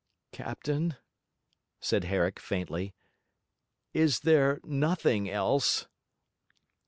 'Captain,' said Herrick faintly, 'is there nothing else?'